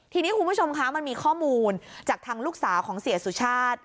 ทีนี้คุณผู้ชมคะมันมีข้อมูลจากทางลูกสาวของเสียสุชาติ